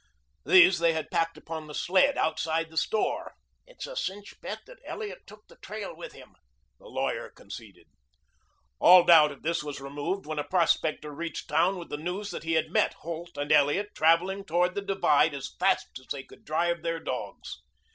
These they had packed upon the sled outside the store. "It's a cinch bet that Elliot took the trail with him," the lawyer conceded. All doubt of this was removed when a prospector reached town with the news that he had met Holt and Elliot traveling toward the divide as fast as they could drive the dogs.